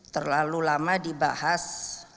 terlalu lama dibahas